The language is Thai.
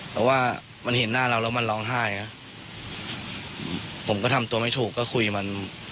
แต่ว่ามันเห็นหน้าเราแล้วมันร้องไห้ครับผมก็ทำตัวไม่ถูกก็คุยมัน